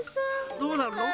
どうなるの？